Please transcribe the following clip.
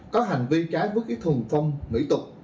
có hành vi trái bước thùng phong mỹ tục